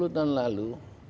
sepuluh tahun lalu